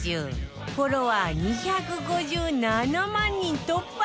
フォロワー２５７万人突破！